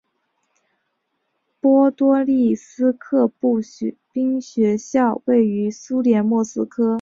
波多利斯克步兵学校位于苏联莫斯科州波多利斯克。